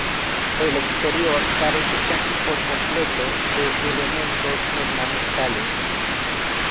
El exterior carece casi por completo de elementos ornamentales.